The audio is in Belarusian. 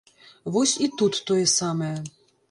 Вось і тут тое самае.